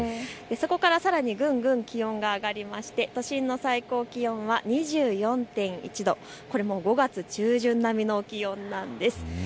そこからさらにぐんぐん気温が上がりまして都心の最高気温は２４．１度、これも５月中旬並みの気温なんです。